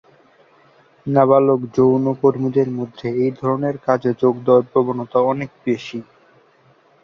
নাবালক যৌনকর্মীদের মধ্যে এই ধরনের কাজে যোগ দেওয়ার প্রবণতা অনেক বেশি।